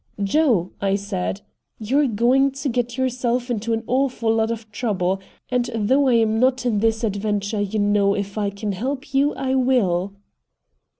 "Joe," I said, "you're going to get yourself into an awful lot of trouble, and though I am not in this adventure, you know if I can help you I will."